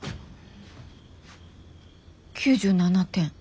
９７点。